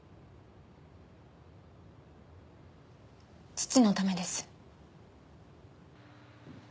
父のためです。